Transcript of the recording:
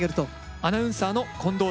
アナウンサーの近藤泰郎です。